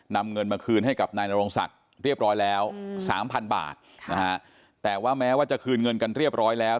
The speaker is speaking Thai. นำเงินมาคืนให้กับนายนโรงศักดิ์เรียบร้อยแล้วสามพันบาทนะฮะแต่ว่าแม้ว่าจะคืนเงินกันเรียบร้อยแล้ว